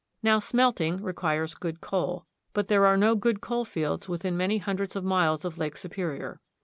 Now smelting requires good coal. But there are no good coal fields within many hundreds of miles of Lake Superior.